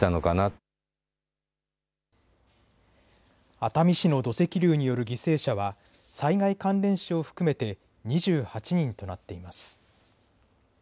熱海市の土石流による犠牲者は災害関連死を含めて２８人となっています。